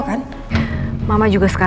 nah kemudian jenis basketball